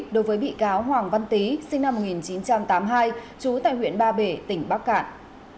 đối với bị cáo hoàng văn tý sinh năm một nghìn chín trăm tám mươi hai trú tại huyện ba bể tỉnh bắc cạn